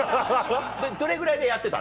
どれぐらいでやってた？